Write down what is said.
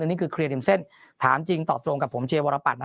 นี่คือเคลียร์ริมเส้นถามจริงตอบตรงกับผมเชียวรปัตน